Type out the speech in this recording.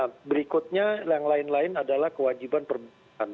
nah berikutnya yang lain lain adalah kewajiban permukaan